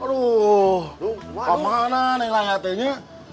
aduh kemana nih lahiatnya